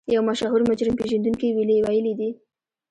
يو مشهور مجرم پېژندونکي ويلي دي.